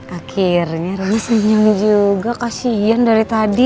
akhirnya roni senyum juga kasian dari tadi